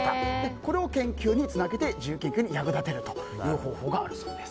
これを研究につなげて自由研究に役立てるという方法があるそうです。